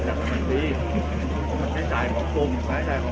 เมืองอัศวินธรรมดาคือสถานที่สุดท้ายของเมืองอัศวินธรรมดา